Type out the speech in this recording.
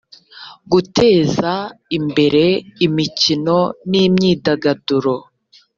guteza imbere imikono n imyidagaduro